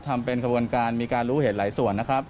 ทำเป็นขบวนการมีการรู้เหตุหลายส่วนนะครับ